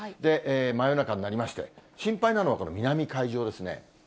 真夜中になりまして、心配なのはこの南海上ですね。